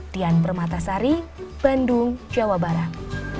tian permatasari bandung jawa barat